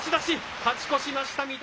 勝ち越しました。